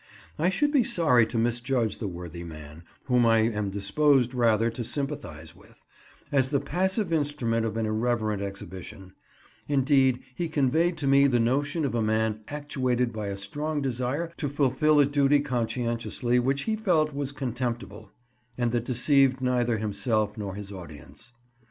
I should be sorry to misjudge the worthy man, whom I am disposed rather to sympathize with, as the passive instrument of an irreverent exhibition; indeed, he conveyed to me the notion of a man actuated by a strong desire to fulfil a duty conscientiously which he felt was contemptible, and that deceived neither himself nor his audience.